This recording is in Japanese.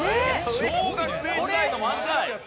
小学生時代の漫才。